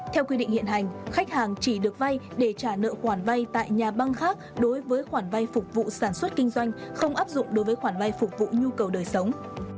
theo quy định hiện hành khách hàng chỉ được vay để trả nợ khoản vay tại nhà băng khác đối với khoản vay phục vụ sản xuất kinh doanh không áp dụng đối với khoản vay phục vụ nhu cầu đời sống